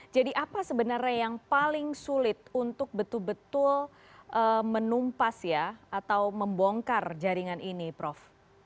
jadi apa sebenarnya yang paling sulit untuk betul betul menumpas ya atau membongkar jaringan ini prof